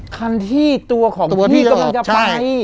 คันที่ตัวของพี่กำลังจะไป